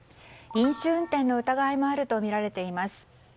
飲酒運転の疑いもあるとみられています。